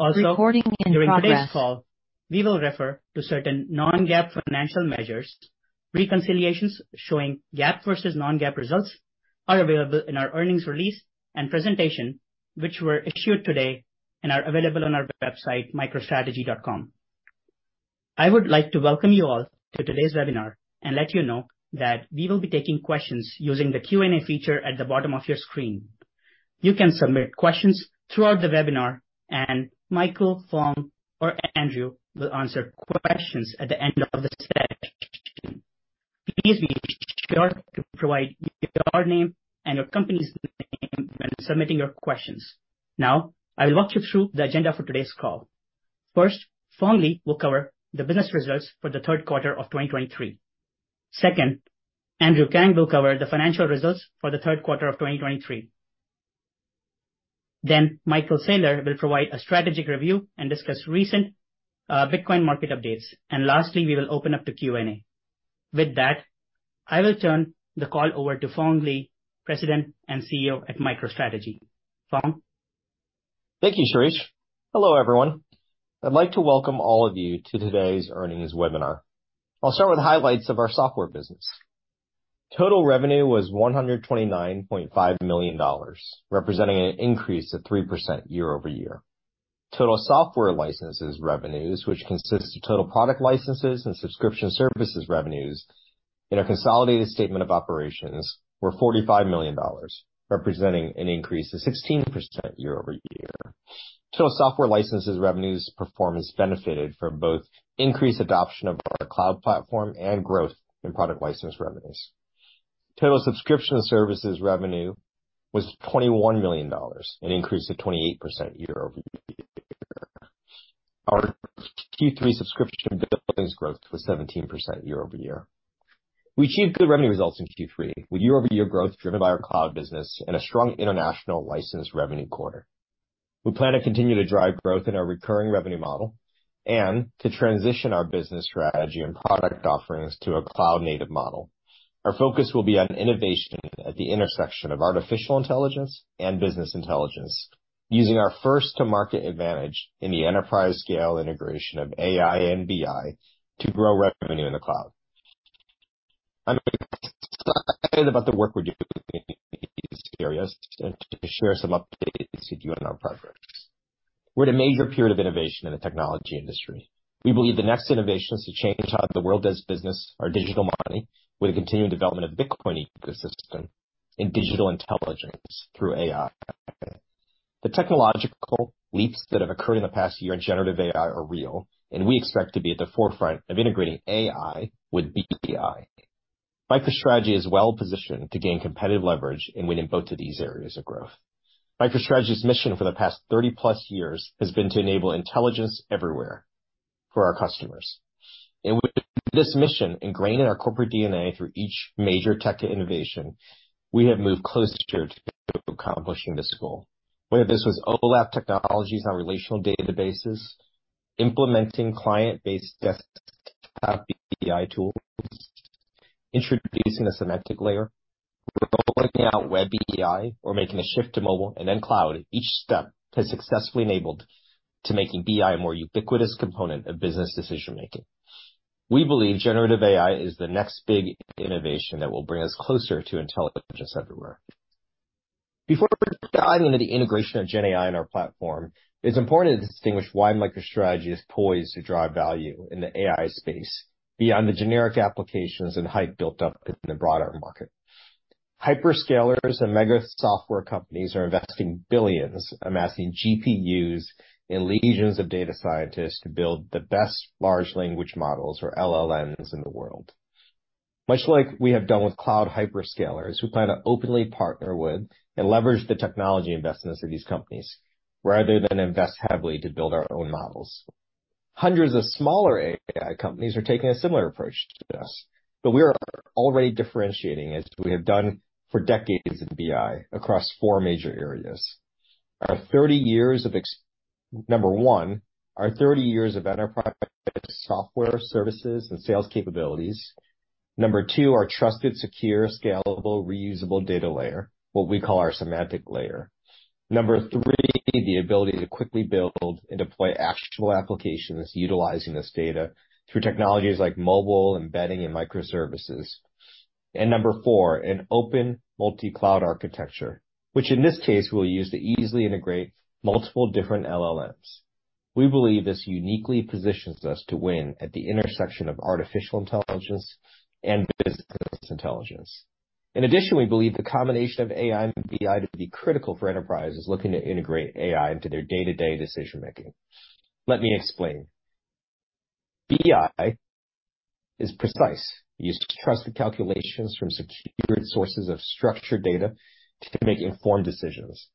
Also, during today's call, we will refer to certain non-GAAP financial measures. Reconciliations showing GAAP versus non-GAAP results are available in our earnings release and presentation, which were issued today and are available on our website, MicroStrategy.com. I would like to welcome you all to today's webinar and let you know that we will be taking questions using the Q&A feature at the bottom of your screen. You can submit questions throughout the webinar, and Michael, Phong, or Andrew will answer questions at the end of the session. Please be sure to provide your name and your company's name when submitting your questions. Now, I will walk you through the agenda for today's call. First, Phong Le will cover the business results for the Q3 of 2023. Second, Andrew Kang will cover the financial results for the Q3 of 2023. Then Michael Saylor will provide a strategic review and discuss recent Bitcoin market updates. And lastly, we will open up to Q&A. With that, I will turn the call over to Phong Le, President and CEO at MicroStrategy. Phong? Thank you, Shirish. Hello, everyone. I'd like to welcome all of you to today's earnings webinar. I'll start with highlights of our software business. Total revenue was $129.5 million, representing an increase of 3% year-over-year. Total software licenses revenues, which consists of total product licenses and subscription services revenues in our consolidated statement of operations, were $45 million, representing an increase of 16% year-over-year. Total software licenses revenues performance benefited from both increased adoption of our cloud platform and growth in product license revenues. Total subscription services revenue was $21 million, an increase of 28% year-over-year. Our Q3 subscription billings growth was 17% year-over-year. We achieved good revenue results in Q3, with year-over-year growth driven by our cloud business and a strong international license revenue quarter. We plan to continue to drive growth in our recurring revenue model and to transition our business strategy and product offerings to a cloud-native model. Our focus will be on innovation at the intersection of artificial intelligence and business intelligence, using our first-to-market advantage in the enterprise-scale integration of AI and BI to grow revenue in the cloud. I'm excited about the work we're doing in these areas and to share some updates with you on our progress. We're in a major period of innovation in the technology industry. We believe the next innovations to change how the world does business are digital money, with the continuing development of Bitcoin ecosystem, and digital intelligence through AI. The technological leaps that have occurred in the past year in generative AI are real, and we expect to be at the forefront of integrating AI with BI. MicroStrategy is well positioned to gain competitive leverage and win in both of these areas of growth. MicroStrategy's mission for the past 30+ years has been to enable intelligence everywhere for our customers. With this mission ingrained in our corporate DNA through each major tech innovation, we have moved closer to accomplishing this goal. Whether this was OLAP technologies on relational databases, implementing client-based desktop BI tools, introducing a semantic layer, rolling out web BI, or making a shift to mobile and then cloud, each step has successfully enabled to making BI a more ubiquitous component of business decision-making. We believe generative AI is the next big innovation that will bring us closer to intelligence everywhere. Before we dive into the integration of Gen AI in our platform, it's important to distinguish why MicroStrategy is poised to drive value in the AI space beyond the generic applications and hype built up in the broader market. Hyperscalers and mega software companies are investing billions, amassing GPUs and legions of data scientists to build the best large language models, or LLMs, in the world. Much like we have done with cloud hyperscalers, we plan to openly partner with and leverage the technology investments of these companies rather than invest heavily to build our own models. Hundreds of smaller AI companies are taking a similar approach to this, but we are already differentiating, as we have done for decades in BI, across 4 major areas. Number one, our 30 years of enterprise software services and sales capabilities. Number 2, our trusted, secure, scalable, reusable data layer, what we call our semantic layer. Number 3, the ability to quickly build and deploy actual applications utilizing this data through technologies like mobile, embedding, and microservices. Number 4, an open multi-cloud architecture, which in this case, we'll use to easily integrate multiple different LLMs. We believe this uniquely positions us to win at the intersection of artificial intelligence and business intelligence. In addition, we believe the combination of AI and BI to be critical for enterprises looking to integrate AI into their day-to-day decision making. Let me explain. BI is precise, used trusted calculations from secured sources of structured data to make informed decisions.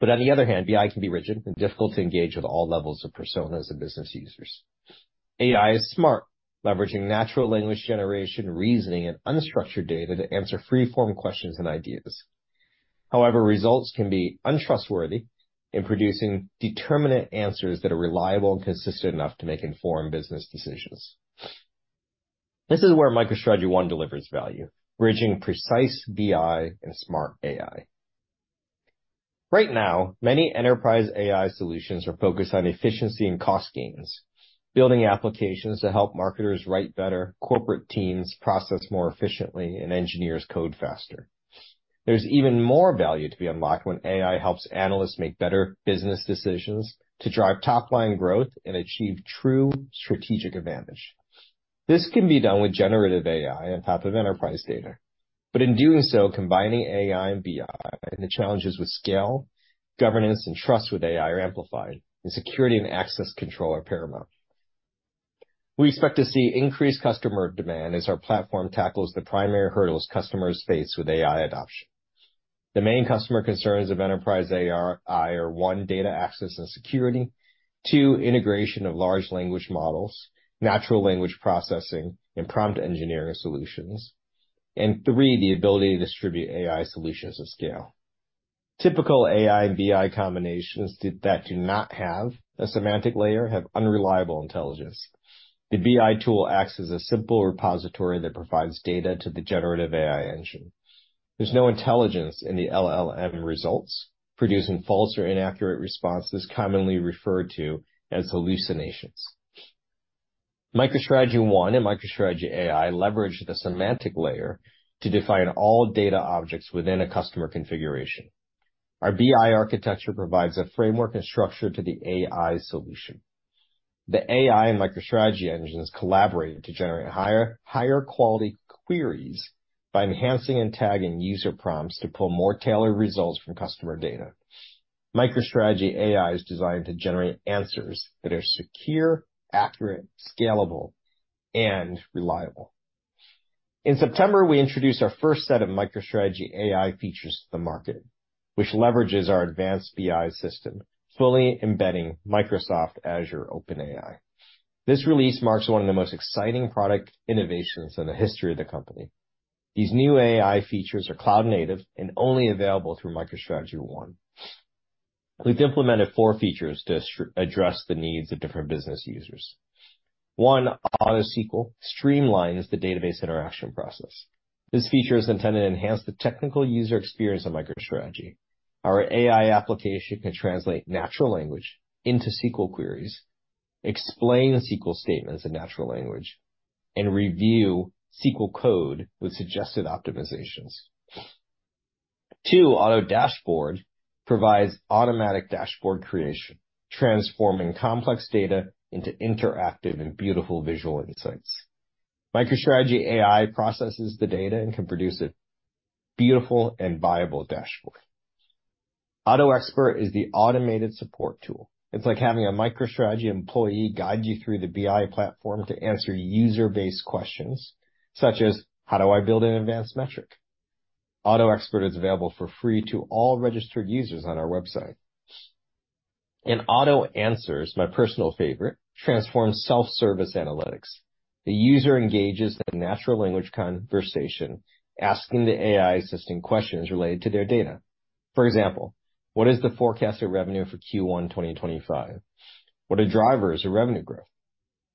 But on the other hand, BI can be rigid and difficult to engage with all levels of personas and business users. AI is smart, leveraging natural language generation, reasoning, and unstructured data to answer free-form questions and ideas. However, results can be untrustworthy in producing determinant answers that are reliable and consistent enough to make informed business decisions... This is where MicroStrategy ONE delivers value, bridging precise BI and smart AI. Right now, many enterprise AI solutions are focused on efficiency and cost gains, building applications to help marketers write better, corporate teams process more efficiently, and engineers code faster. There's even more value to be unlocked when AI helps analysts make better business decisions to drive top-line growth and achieve true strategic advantage. This can be done with generative AI on top of enterprise data, but in doing so, combining AI and BI, and the challenges with scale, governance, and trust with AI are amplified, and security and access control are paramount. We expect to see increased customer demand as our platform tackles the primary hurdles customers face with AI adoption. The main customer concerns of enterprise AI are, one, data access and security. Two, integration of large language models, natural language processing, and prompt engineering solutions. And three, the ability to distribute AI solutions of scale. Typical AI and BI combinations that do not have a semantic layer have unreliable intelligence. The BI tool acts as a simple repository that provides data to the generative AI engine. There's no intelligence in the LLM results, producing false or inaccurate responses, commonly referred to as hallucinations. MicroStrategy ONE and MicroStrategy AI leverage the semantic layer to define all data objects within a customer configuration. Our BI architecture provides a framework and structure to the AI solution. The AI and MicroStrategy engines collaborate to generate higher-quality queries by enhancing and tagging user prompts to pull more tailored results from customer data. MicroStrategy AI is designed to generate answers that are secure, accurate, scalable, and reliable. In September, we introduced our first set of MicroStrategy AI features to the market, which leverages our advanced BI system, fully embedding Microsoft Azure OpenAI. This release marks one of the most exciting product innovations in the history of the company. These new AI features are cloud native and only available through MicroStrategy ONE. We've implemented four features to address the needs of different business users. One, Auto SQL streamlines the database interaction process. This feature is intended to enhance the technical user experience of MicroStrategy. Our AI application can translate natural language into SQL queries, explain SQL statements in natural language, and review SQL code with suggested optimizations. Two, Auto Dashboard provides automatic dashboard creation, transforming complex data into interactive and beautiful visual insights. MicroStrategy AI processes the data and can produce a beautiful and viable dashboard. Auto Expert is the automated support tool. It's like having a MicroStrategy employee guide you through the BI platform to answer user-based questions such as: How do I build an advanced metric? Auto Expert is available for free to all registered users on our website. And Auto Answers, my personal favorite, transforms self-service analytics. The user engages in natural language conversation, asking the AI assistant questions related to their data. For example, "What is the forecasted revenue for Q1 2025? What are drivers of revenue growth?"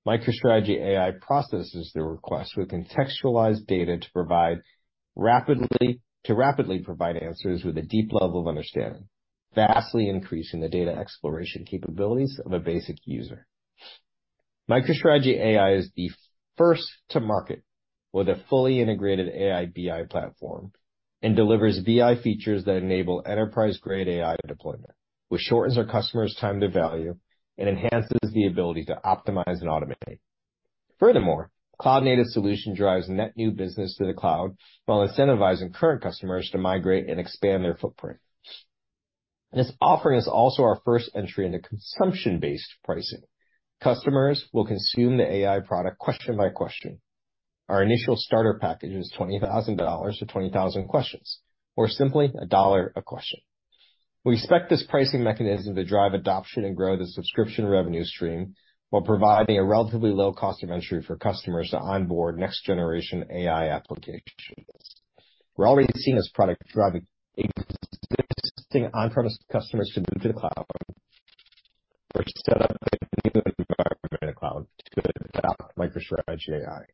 MicroStrategy AI processes the request with contextualized data to rapidly provide answers with a deep level of understanding, vastly increasing the data exploration capabilities of a basic user. MicroStrategy AI is the first to market with a fully integrated AI BI platform, and delivers BI features that enable enterprise-grade AI deployment, which shortens our customers' time to value and enhances the ability to optimize and automate. Furthermore, cloud-native solution drives net new business to the cloud, while incentivizing current customers to migrate and expand their footprint. This offering is also our first entry into consumption-based pricing. Customers will consume the AI product question by question. Our initial starter package is $20,000 to 20,000 questions, or simply $1 a question. We expect this pricing mechanism to drive adoption and grow the subscription revenue stream while providing a relatively low cost of entry for customers to onboard next generation AI applications. We're already seeing this product driving existing on premise customers to move to the cloud, which set up environment in the cloud to adopt MicroStrategy AI.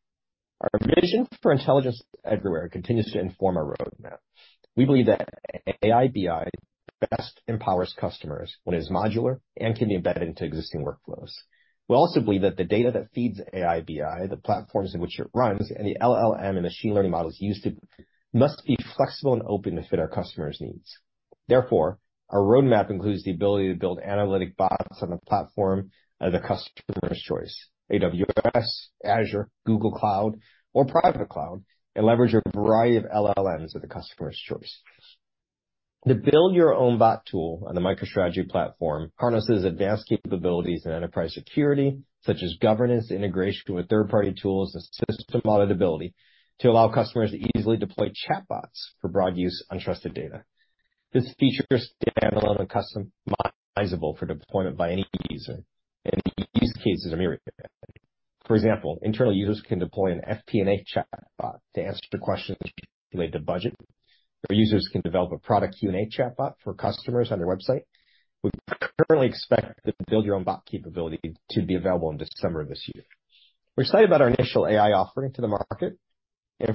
Our vision for intelligence everywhere continues to inform our roadmap. We believe that AI BI the best empowers customers when it's modular and can be embedded into existing workflows. We also believe that the data that feeds AI BI, the platforms in which it runs, and the LLM and machine learning models used, must be flexible and open to fit our customers' needs. Therefore, our roadmap includes the ability to build analytic bots on the platform of the customer's choice, AWS, Azure, Google Cloud, or private cloud, and leverage a variety of LLMs of the customer's choice. The Build Your Own Bot tool on the MicroStrategy platform harnesses advanced capabilities in enterprise security, such as governance, integration with third-party tools, and system auditability, to allow customers to easily deploy chatbots for broad use with untrusted data. This feature is standalone and customizable for deployment by any user, and use cases are myriad. For example, internal users can deploy an FP&A chatbot to answer questions related to budget, or users can develop a product Q&A chatbot for customers on their website. We currently expect the Build Your Own Bot capability to be available in December of this year. We're excited about our initial AI offering to the market.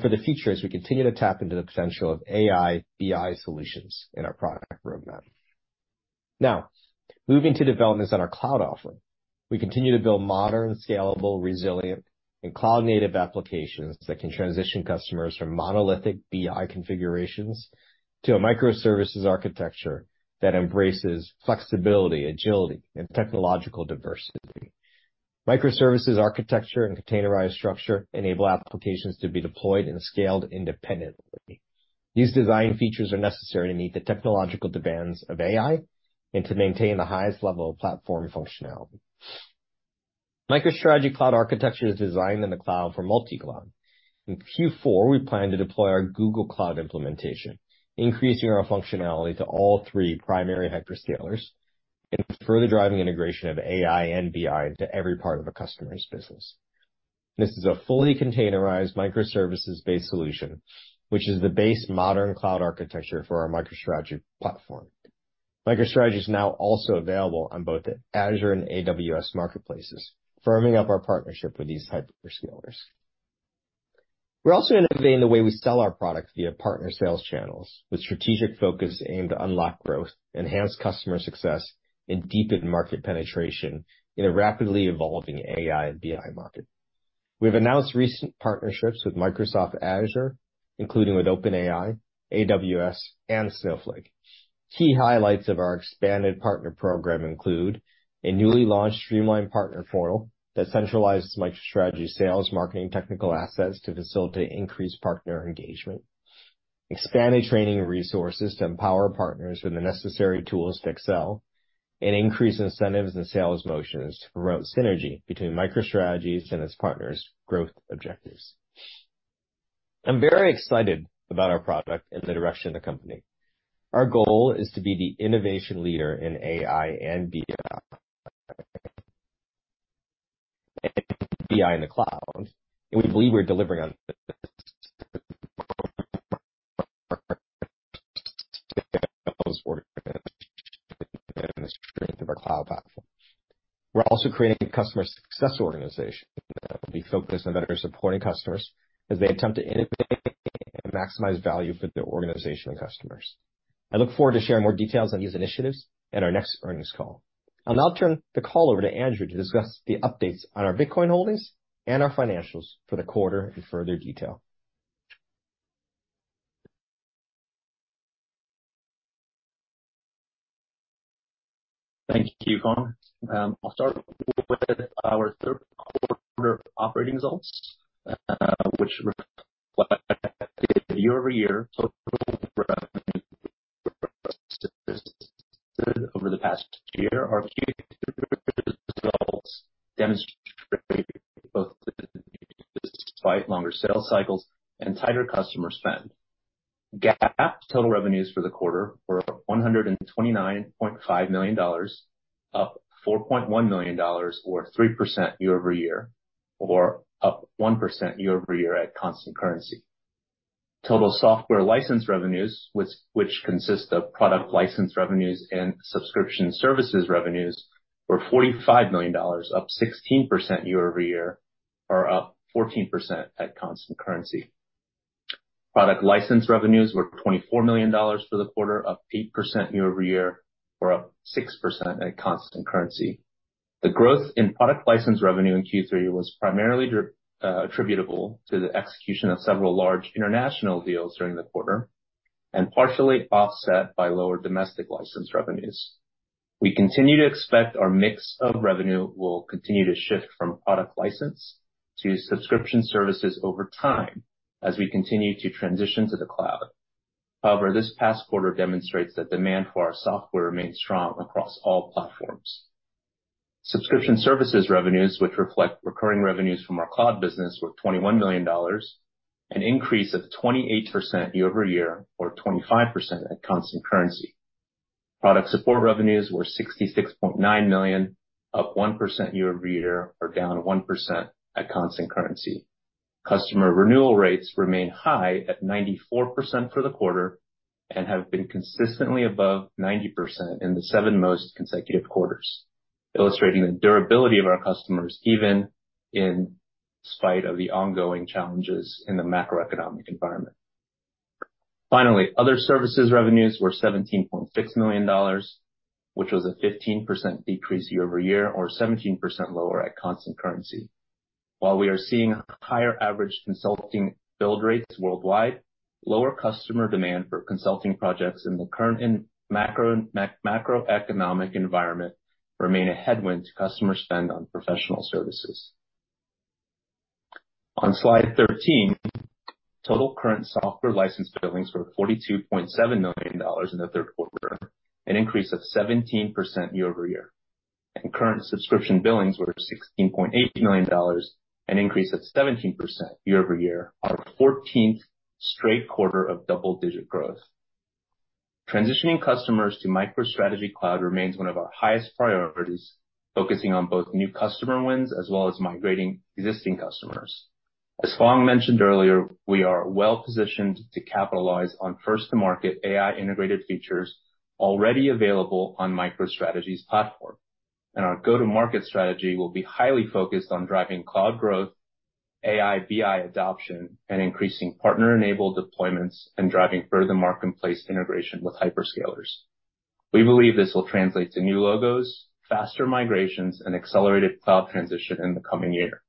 For the future, as we continue to tap into the potential of AI, BI solutions in our product roadmap. Now, moving to developments on our cloud offering. We continue to build modern, scalable, resilient, and cloud-native applications that can transition customers from monolithic BI configurations to a microservices architecture that embraces flexibility, agility, and technological diversity. Microservices architecture and containerized structure enable applications to be deployed and scaled independently. These design features are necessary to meet the technological demands of AI and to maintain the highest level of platform functionality. MicroStrategy cloud architecture is designed in the cloud for multi-cloud. In Q4, we plan to deploy our Google Cloud implementation, increasing our functionality to all three primary hyperscalers and further driving integration of AI and BI into every part of a customer's business. This is a fully containerized microservices-based solution, which is the base modern cloud architecture for our MicroStrategy platform. MicroStrategy is now also available on both the Azure and AWS marketplaces, firming up our partnership with these hyperscalers. We're also going to innovate in the way we sell our products via partner sales channels, with strategic focus aimed to unlock growth, enhance customer success, and deepen market penetration in a rapidly evolving AI and BI market. We've announced recent partnerships with Microsoft Azure, including with OpenAI, AWS, and Snowflake. Key highlights of our expanded partner program include a newly launched streamlined partner portal that centralizes MicroStrategy sales, marketing, technical assets to facilitate increased partner engagement, expanded training resources to empower partners with the necessary tools to excel, and increase incentives and sales motions to promote synergy between MicroStrategy's and its partners' growth objectives. I'm very excited about our product and the direction of the company. Our goal is to be the innovation leader in AI and BI, BI in the cloud, and we believe we're delivering on the strength of our cloud platform. We're also creating a customer success organization that will be focused on better supporting customers as they attempt to innovate and maximize value for their organizational customers. I look forward to sharing more details on these initiatives at our next earnings call. I'll now turn the call over to Andrew to discuss the updates on our Bitcoin holdings and our financials for the quarter in further detail. Thank you, Phong. I'll start with our Q3 operating results, which reflect year-over-year total revenue over the past year. Our Q3 results demonstrate both despite longer sales cycles and tighter customer spend. GAAP total revenues for the quarter were $129.5 million, up $4.1 million, or 3% year-over-year, or up 1% year-over-year at constant currency. Total software license revenues, which consist of product license revenues and subscription services revenues, were $45 million, up 16% year-over-year, or up 14% at constant currency. Product license revenues were $24 million for the quarter, up 8% year-over-year, or up 6% at constant currency. The growth in product license revenue in Q3 was primarily attributable to the execution of several large international deals during the quarter and partially offset by lower domestic license revenues. We continue to expect our mix of revenue will continue to shift from product license to subscription services over time as we continue to transition to the cloud. However, this past quarter demonstrates that demand for our software remains strong across all platforms. Subscription services revenues, which reflect recurring revenues from our cloud business, were $21 million, an increase of 28% year-over-year or 25% at constant currency. Product support revenues were $66.9 million, up 1% year-over-year, or down 1% at constant currency. Customer renewal rates remain high at 94% for the quarter and have been consistently above 90% in the 7 most consecutive quarters, illustrating the durability of our customers, even in spite of the ongoing challenges in the macroeconomic environment. Finally, other services revenues were $17.6 million, which was a 15% decrease year-over-year, or 17% lower at constant currency. While we are seeing higher average consulting build rates worldwide, lower customer demand for consulting projects in the current and macroeconomic environment remain a headwind to customer spend on professional services. On slide 13, total current software license billings were $42.7 million in the Q3, an increase of 17% year-over-year, and current subscription billings were $16.8 million, an increase of 17% year-over-year, our 14th straight quarter of double-digit growth. Transitioning customers to MicroStrategy cloud remains one of our highest priorities, focusing on both new customer wins as well as migrating existing customers. As Phong mentioned earlier, we are well positioned to capitalize on first-to-market AI-integrated features already available on MicroStrategy's platform... and our go-to-market strategy will be highly focused on driving cloud growth, AI, BI adoption, and increasing partner-enabled deployments, and driving further marketplace integration with hyperscalers. We believe this will translate to new logos, faster migrations, and accelerated cloud transition in the coming year.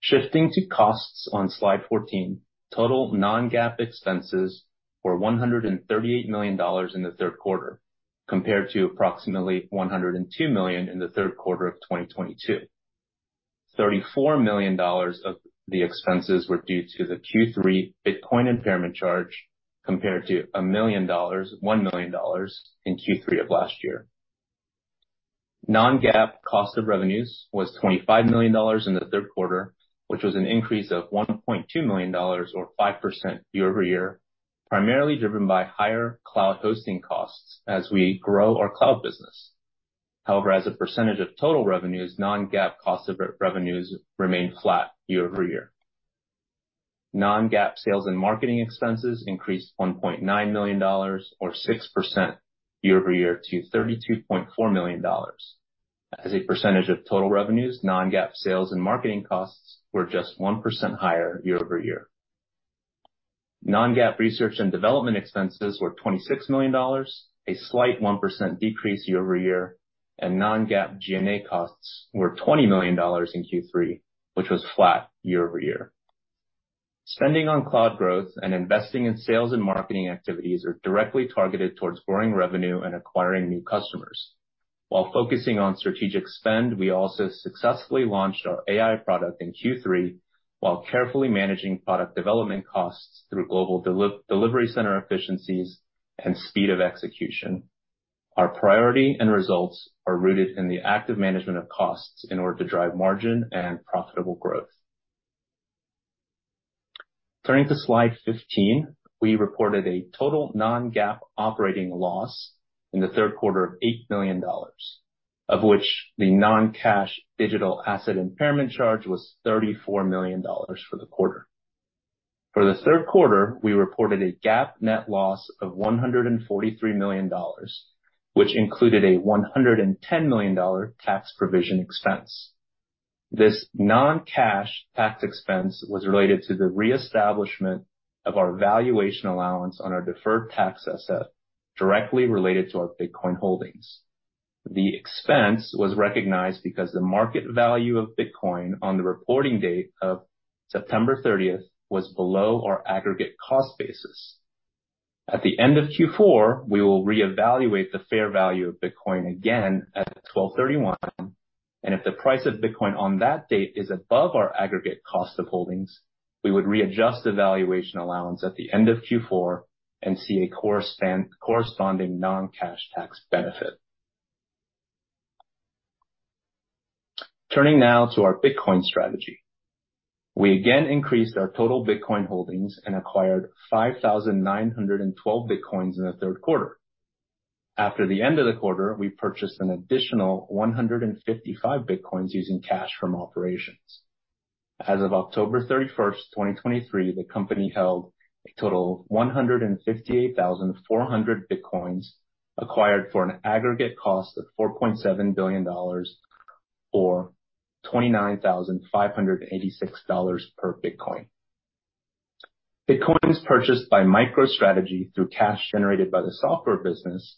Shifting to costs on slide 14, total non-GAAP expenses were $138 million in the Q3, compared to approximately $102 million in the Q3 of 2022. $34 million of the expenses were due to the Q3 Bitcoin impairment charge, compared to $1 million in Q3 of last year. Non-GAAP cost of revenues was $25 million in the Q3, which was an increase of $1.2 million, or 5% year-over-year, primarily driven by higher cloud hosting costs as we grow our cloud business. However, as a percentage of total revenues, non-GAAP cost of revenues remained flat year-over-year. Non-GAAP sales and marketing expenses increased $1.9 million, or 6% year-over-year, to $32.4 million. As a percentage of total revenues, non-GAAP sales and marketing costs were just 1% higher year-over-year. Non-GAAP research and development expenses were $26 million, a slight 1% decrease year-over-year, and non-GAAP G&A costs were $20 million in Q3, which was flat year-over-year. Spending on cloud growth and investing in sales and marketing activities are directly targeted towards growing revenue and acquiring new customers. While focusing on strategic spend, we also successfully launched our AI product in Q3, while carefully managing product development costs through global delivery center efficiencies and speed of execution. Our priority and results are rooted in the active management of costs in order to drive margin and profitable growth. Turning to slide 15, we reported a total non-GAAP operating loss in the Q3 of $8 million, of which the non-cash digital asset impairment charge was $34 million for the quarter. For the Q3, we reported a GAAP net loss of $143 million, which included a $110 million tax provision expense. This non-cash tax expense was related to the reestablishment of our valuation allowance on our deferred tax asset, directly related to our Bitcoin holdings. The expense was recognized because the market value of Bitcoin on the reporting date of September thirtieth was below our aggregate cost basis. At the end of Q4, we will reevaluate the fair value of Bitcoin again at twelve thirty-one, and if the price of Bitcoin on that date is above our aggregate cost of holdings, we would readjust the valuation allowance at the end of Q4 and see a corresponding non-cash tax benefit. Turning now to our Bitcoin strategy. We again increased our total Bitcoin holdings and acquired 5,912 bitcoins in the Q3. After the end of the quarter, we purchased an additional 155 bitcoins using cash from operations. As of October 31, 2023, the company held a total of 158,400 bitcoins, acquired for an aggregate cost of $4.7 billion, or $29,586 per bitcoin. Bitcoins purchased by MicroStrategy through cash generated by the software business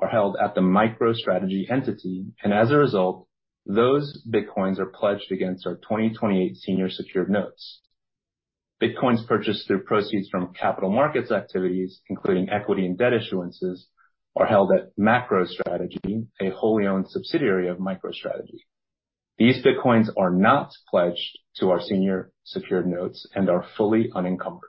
are held at the MicroStrategy entity, and as a result, those bitcoins are pledged against our 2028 senior secured notes. Bitcoins purchased through proceeds from capital markets activities, including equity and debt issuances, are held at MacroStrategy, a wholly owned subsidiary of MicroStrategy. These bitcoins are not pledged to our senior secured notes and are fully unencumbered.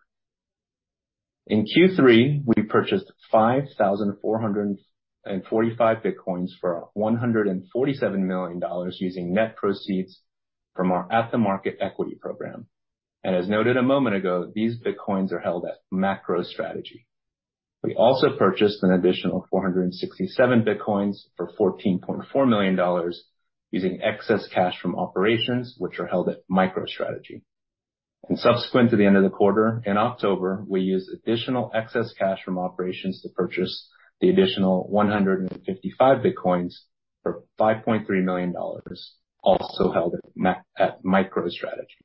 In Q3, we purchased 5,445 bitcoins for $147 million, using net proceeds from our at-the-market equity program. As noted a moment ago, these bitcoins are held at MacroStrategy. We also purchased an additional 467 bitcoins for $14.4 million, using excess cash from operations, which are held at MicroStrategy. Subsequent to the end of the quarter, in October, we used additional excess cash from operations to purchase the additional 155 bitcoins for $5.3 million, also held at MicroStrategy.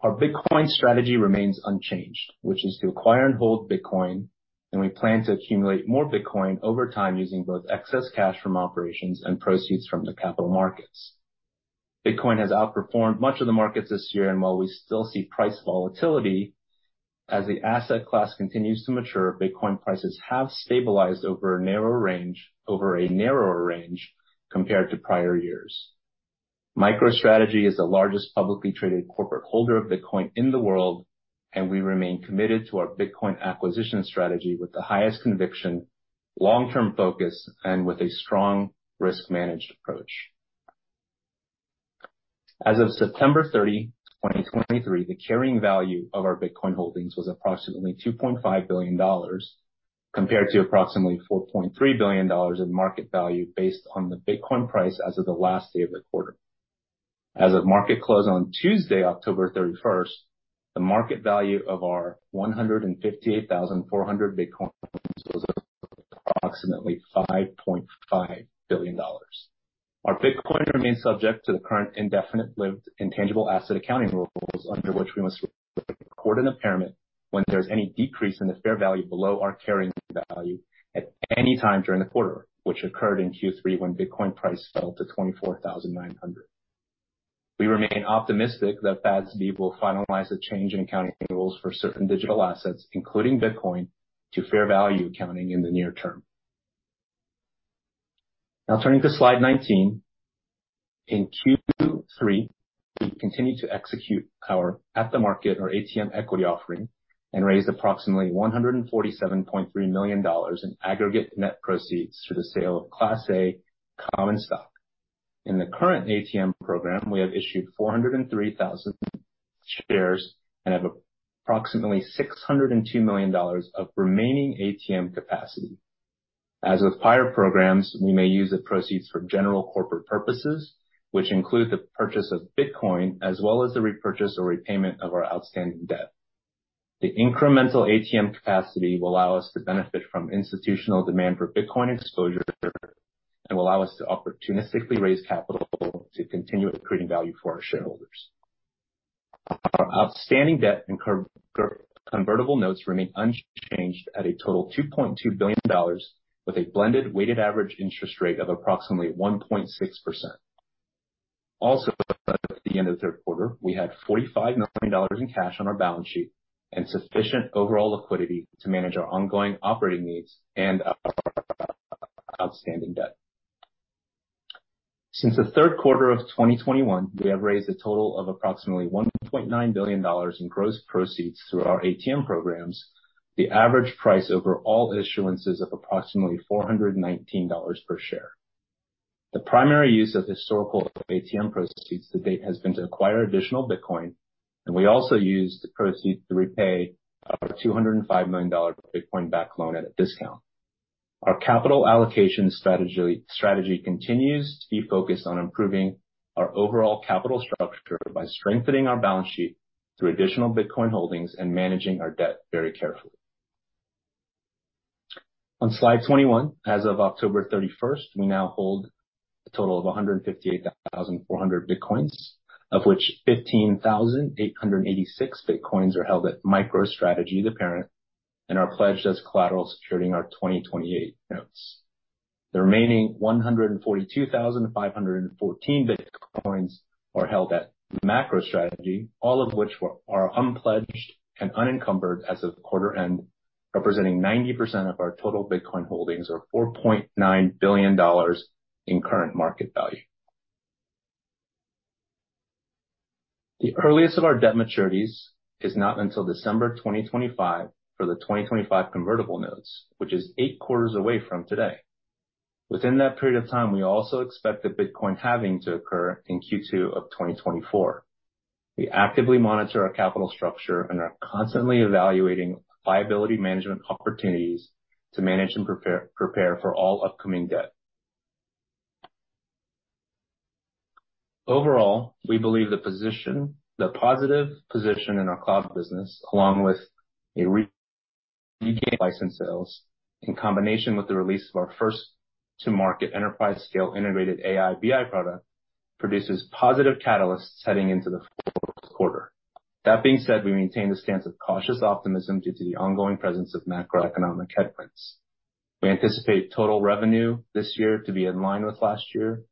Our Bitcoin strategy remains unchanged, which is to acquire and hold Bitcoin, and we plan to accumulate more Bitcoin over time, using both excess cash from operations and proceeds from the capital markets. Bitcoin has outperformed much of the market this year, and while we still see price volatility, as the asset class continues to mature, Bitcoin prices have stabilized over a narrow range, over a narrower range compared to prior years. MicroStrategy is the largest publicly traded corporate holder of Bitcoin in the world, and we remain committed to our Bitcoin acquisition strategy with the highest conviction, long-term focus, and with a strong risk-managed approach. As of September 30, 2023, the carrying value of our Bitcoin holdings was approximately $2.5 billion, compared to approximately $4.3 billion in market value based on the Bitcoin price as of the last day of the quarter. As of market close on Tuesday, October 31, the market value of our 158,400 bitcoins was approximately $5.5 billion. Our Bitcoin remains subject to the current indefinite lived intangible asset accounting rules, under which we must record an impairment when there's any decrease in the fair value below our carrying value at any time during the quarter, which occurred in Q3 when Bitcoin price fell to $24,900. We remain optimistic that FASB will finalize the change in accounting rules for certain digital assets, including Bitcoin, to fair value accounting in the near term. Now turning to slide 19. In Q3, we continued to execute our at the market or ATM equity offering, and raised approximately $147.3 million in aggregate net proceeds through the sale of Class A common stock. In the current ATM program, we have issued 403,000 shares and have approximately $602 million of remaining ATM capacity. As with prior programs, we may use the proceeds for general corporate purposes, which include the purchase of Bitcoin, as well as the repurchase or repayment of our outstanding debt. The incremental ATM capacity will allow us to benefit from institutional demand for Bitcoin exposure and will allow us to opportunistically raise capital to continue creating value for our shareholders. Our outstanding debt and convertible notes remain unchanged at a total $2.2 billion, with a blended weighted average interest rate of approximately 1.6%. Also, at the end of the Q3, we had $45 million in cash on our balance sheet and sufficient overall liquidity to manage our ongoing operating needs and our outstanding debt. Since the Q3 of 2021, we have raised a total of approximately $1.9 billion in gross proceeds through our ATM programs, the average price over all issuances of approximately $419 per share. The primary use of historical ATM proceeds to date has been to acquire additional Bitcoin, and we also used the proceeds to repay our $205 million bitcoin-backed loan at a discount. Our capital allocation strategy continues to be focused on improving our overall capital structure by strengthening our balance sheet through additional Bitcoin holdings and managing our debt very carefully. On slide 21, as of October 31, we now hold a total of 158,400 bitcoins, of which 15,886 bitcoins are held at MicroStrategy, the parent, and are pledged as collateral securing our 2028 notes. The remaining 142,514 bitcoins are held at MicroStrategy, all of which were, are unpledged and unencumbered as of quarter end, representing 90% of our total Bitcoin holdings, or $4.9 billion in current market value. The earliest of our debt maturities is not until December 2025 for the 2025 convertible notes, which is eight quarters away from today. Within that period of time, we also expect the Bitcoin halving to occur in Q2 of 2024. We actively monitor our capital structure and are constantly evaluating liability management opportunities to manage and prepare for all upcoming debt. Overall, we believe the positive position in our cloud business, along with our license sales in combination with the release of our first-to-market enterprise-scale integrated AI, BI product, produces positive catalysts heading into the Q4. That being said, we maintain the stance of cautious optimism due to the ongoing presence of macroeconomic headwinds. We anticipate total revenue this year to be in line with last year.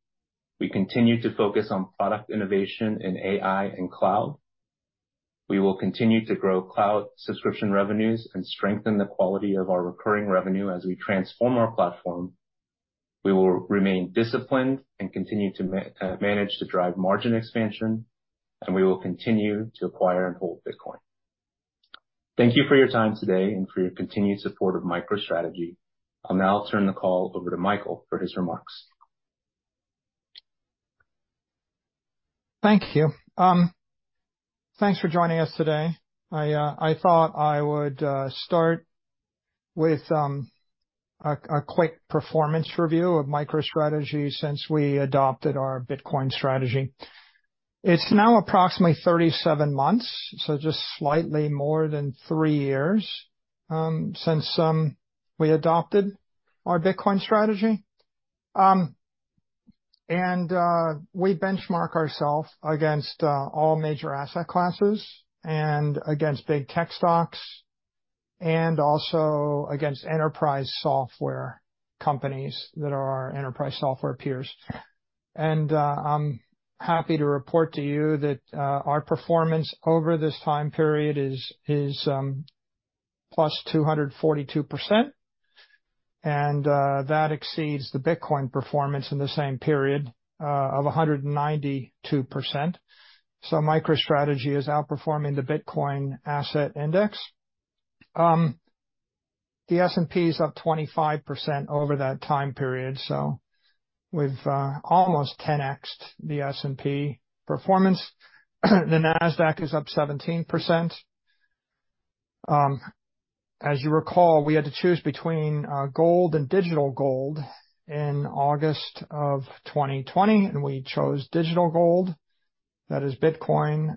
We continue to focus on product innovation in AI and cloud. We will continue to grow cloud subscription revenues and strengthen the quality of our recurring revenue as we transform our platform. We will remain disciplined and continue to manage to drive margin expansion, and we will continue to acquire and hold Bitcoin. Thank you for your time today and for your continued support of MicroStrategy. I'll now turn the call over to Michael for his remarks. Thank you. Thanks for joining us today. I thought I would start with a quick performance review of MicroStrategy since we adopted our Bitcoin strategy. It's been approximately 37 months, so just slightly more than three years since we adopted our Bitcoin strategy. We benchmark ourselves against all major asset classes and against big tech stocks, and also against enterprise software companies that are our enterprise software peers. I'm happy to report to you that our performance over this time period is +242%, and that exceeds the Bitcoin performance in the same period of 192%. So MicroStrategy is outperforming the Bitcoin Asset Index. The S&P is up 25% over that time period, so we've almost 10x'd the S&P performance. The Nasdaq is up 17%. As you recall, we had to choose between gold and digital gold in August of 2020, and we chose digital gold. That is Bitcoin.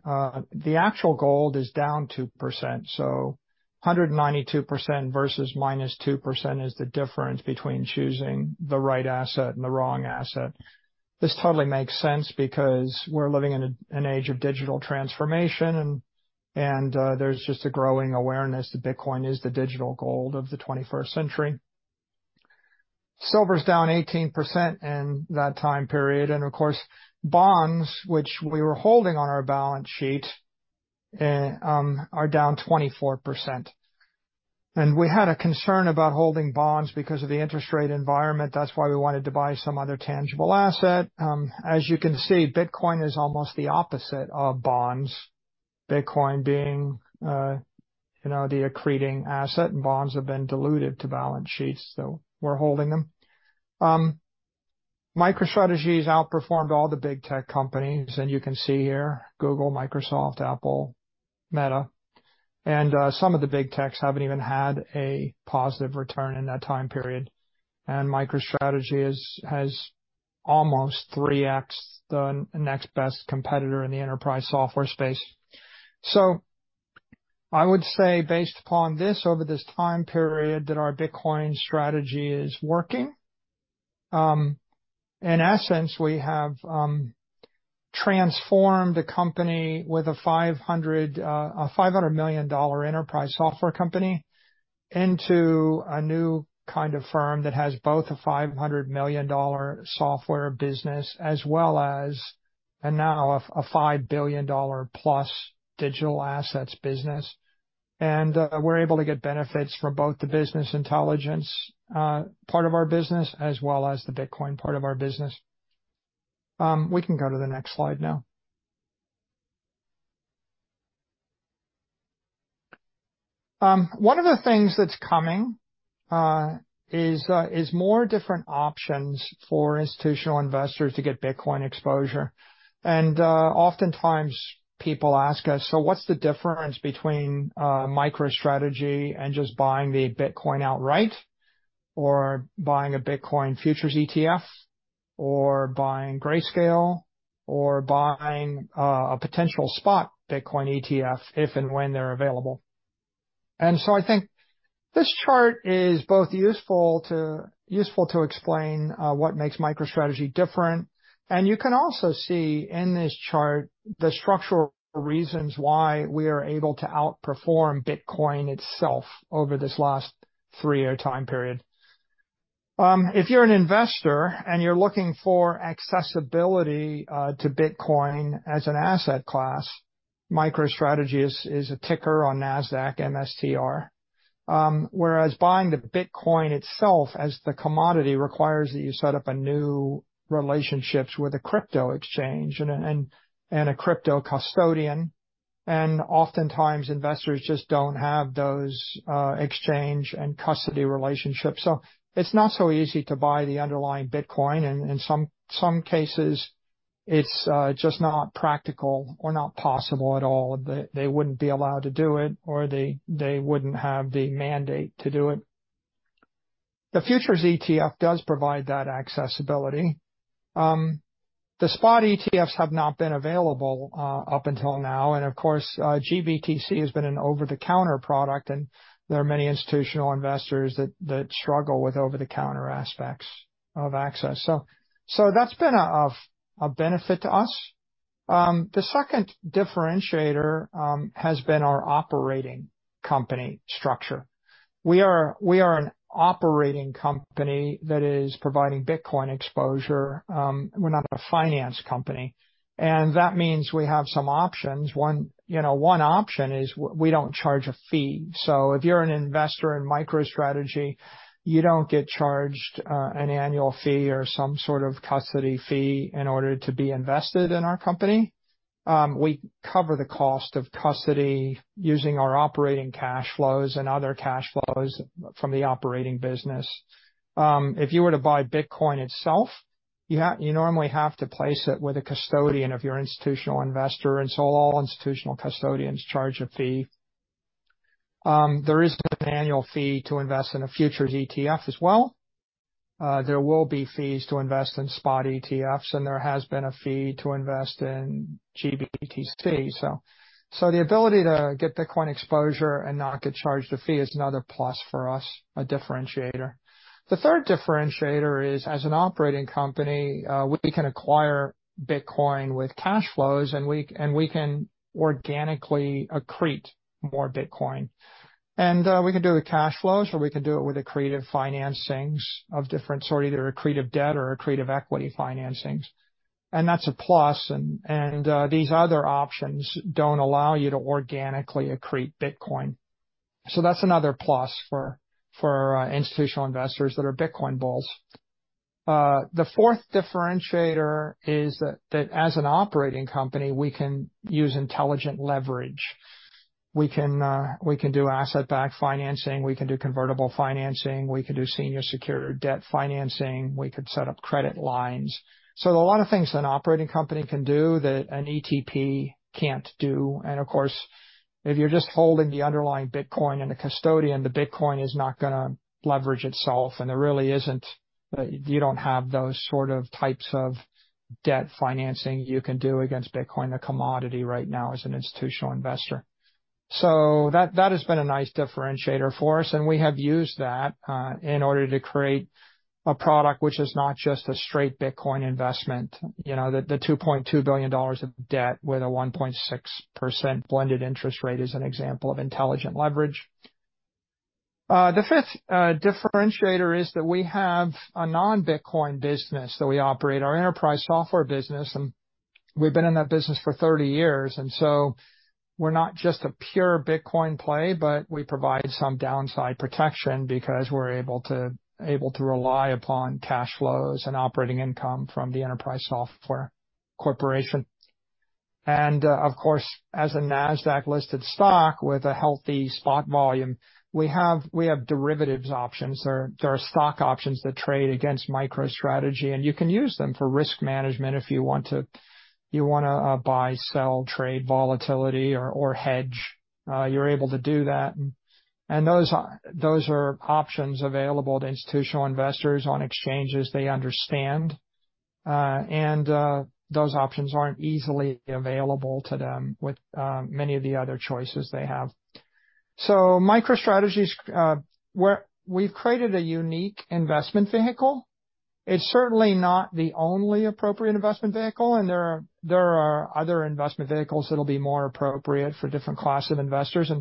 The actual gold is down 2%, so 192% versus -2% is the difference between choosing the right asset and the wrong asset. This totally makes sense because we're living in an age of digital transformation, and there's just a growing awareness that Bitcoin is the digital gold of the 21st century. Silver's down 18% in that time period, and of course, bonds, which we were holding on our balance sheet, are down 24%. We had a concern about holding bonds because of the interest rate environment. That's why we wanted to buy some other tangible asset. As you can see, Bitcoin is almost the opposite of bonds. Bitcoin being, you know, the accreting asset, and bonds have been diluted to balance sheets, so we're holding them. MicroStrategy has outperformed all the big tech companies, and you can see here, Google, Microsoft, Apple, Meta, and some of the big techs haven't even had a positive return in that time period. MicroStrategy has almost 3x the next best competitor in the enterprise software space. So I would say, based upon this, over this time period, that our Bitcoin strategy is working. In essence, we have transformed a company with a $500 million enterprise software company into a new kind of firm that has both a $500 million software business as well as, and now a $5 billion+ digital assets business. And we're able to get benefits from both the business intelligence part of our business, as well as the Bitcoin part of our business. We can go to the next slide now. One of the things that's coming is more different options for institutional investors to get Bitcoin exposure. Oftentimes people ask us, "So what's the difference between MicroStrategy and just buying the Bitcoin outright, or buying a Bitcoin futures ETF, or buying Grayscale, or buying a potential spot Bitcoin ETF, if and when they're available?" So I think this chart is both useful to explain what makes MicroStrategy different. And you can also see in this chart the structural reasons why we are able to outperform Bitcoin itself over this last three-year time period. If you're an investor and you're looking for accessibility to Bitcoin as an asset class, MicroStrategy is a ticker on Nasdaq MSTR. Whereas buying the Bitcoin itself as the commodity requires that you set up a new relationships with a crypto exchange and a crypto custodian. Oftentimes investors just don't have those exchange and custody relationships, so it's not so easy to buy the underlying Bitcoin, and in some cases it's just not practical or not possible at all. They wouldn't be allowed to do it, or they wouldn't have the mandate to do it. The futures ETF does provide that accessibility. The spot ETFs have not been available up until now, and of course, GBTC has been an over-the-counter product, and there are many institutional investors that struggle with over-the-counter aspects of access. So that's been a benefit to us. The second differentiator has been our operating company structure. We are an operating company that is providing Bitcoin exposure. We're not a finance company, and that means we have some options. One, you know, one option is we don't charge a fee. So if you're an investor in MicroStrategy, you don't get charged an annual fee or some sort of custody fee in order to be invested in our company. We cover the cost of custody using our operating cash flows and other cash flows from the operating business. If you were to buy Bitcoin itself, you normally have to place it with a custodian of your institutional investor, and so all institutional custodians charge a fee. There is an annual fee to invest in a futures ETF as well. There will be fees to invest in spot ETFs, and there has been a fee to invest in GBTC. So the ability to get Bitcoin exposure and not get charged a fee is another plus for us, a differentiator. The third differentiator is, as an operating company, we can acquire Bitcoin with cash flows, and we, and we can organically accrete more Bitcoin. And, we can do it with cash flows, or we can do it with accretive financings of different sort, either accretive debt or accretive equity financings. And that's a plus, and, and, these other options don't allow you to organically accrete Bitcoin. So that's another plus for, for, institutional investors that are Bitcoin bulls. The fourth differentiator is that, that as an operating company, we can use intelligent leverage. We can, we can do asset-backed financing, we can do convertible financing, we can do senior secured debt financing, we could set up credit lines. So there are a lot of things an operating company can do that an ETP can't do. Of course, if you're just holding the underlying Bitcoin and the custodian, the Bitcoin is not gonna leverage itself. But you don't have those sort of types of debt financing you can do against Bitcoin, the commodity right now, as an institutional investor. So that, that has been a nice differentiator for us, and we have used that in order to create a product which is not just a straight Bitcoin investment. You know, the $2.2 billion of debt with a 1.6% blended interest rate is an example of intelligent leverage. The fifth differentiator is that we have a non-Bitcoin business, that we operate our enterprise software business, and we've been in that business for 30 years. And so we're not just a pure Bitcoin play, but we provide some downside protection because we're able to rely upon cash flows and operating income from the enterprise software corporation. And of course, as a Nasdaq-listed stock with a healthy spot volume, we have derivatives options. There are stock options that trade against MicroStrategy, and you can use them for risk management if you want to. You wanna buy, sell, trade volatility or hedge, you're able to do that. And those are options available to institutional investors on exchanges they understand. And those options aren't easily available to them with many of the other choices they have. So MicroStrategy's, we're—we've created a unique investment vehicle. It's certainly not the only appropriate investment vehicle, and there are other investment vehicles that'll be more appropriate for different classes of investors.